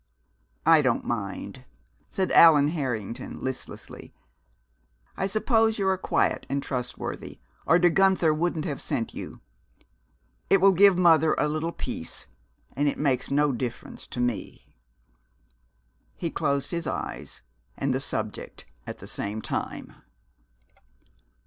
"I don't mind," said Allan Harrington listlessly. "I suppose you are quiet and trustworthy, or De Guenther wouldn't have sent you. It will give mother a little peace and it makes no difference to me." He closed his eyes and the subject at the same time.